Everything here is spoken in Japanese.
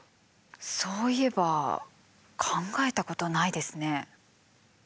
そういえば考えたことないですね。